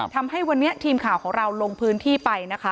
ทำให้วันนี้ทีมข่าวของเราลงพื้นที่ไปนะคะ